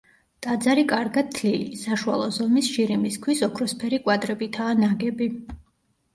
ტაძარი კარგად თლილი, საშუალო ზომის შირიმის ქვის ოქროსფერი კვადრებითაა ნაგები.